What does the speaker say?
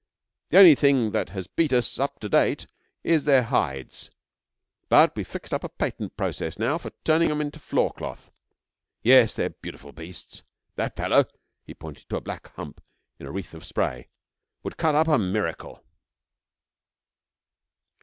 The only thing that has beat us up to date is their hides; but we've fixed up a patent process now for turning 'em into floorcloth. Yes, they're beautiful beasts. That fellow,' he pointed to a black hump in a wreath of spray, 'would cut up a miracle.'